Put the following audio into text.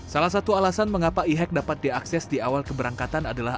salah satu alasan mengapa e hack dapat diakses di awal keberangkatan adalah